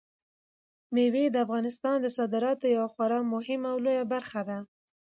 مېوې د افغانستان د صادراتو یوه خورا مهمه او لویه برخه ده.